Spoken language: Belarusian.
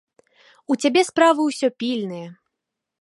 У цябе справы ўсё пільныя.